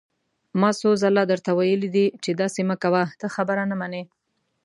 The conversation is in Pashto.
ما څو ځله درته ويلي دي چې داسې مه کوه، ته خبره نه منې!